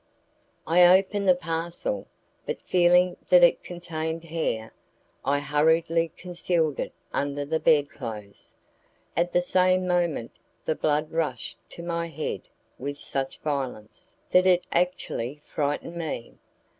I opened the parcel, but feeling that it contained hair, I hurriedly concealed it under the bed clothes: at the same moment the blood rushed to my head with such violence that it actually frightened me.